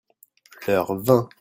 leur vin.